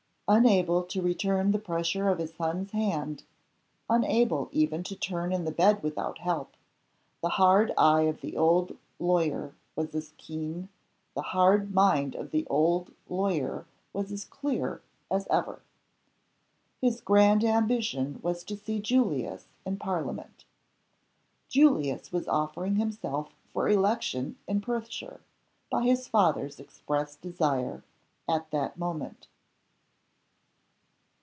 Unable to return the pressure of his son's hand unable even to turn in the bed without help the hard eye of the old lawyer was as keen, the hard mind of the old lawyer was as clear, as ever. His grand ambition was to see Julius in Parliament. Julius was offering himself for election in Perthshire, by his father's express desire, at that moment.